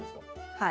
はい。